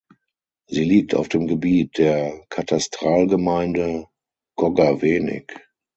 Sie liegt auf dem Gebiet der Katastralgemeinde Goggerwenig.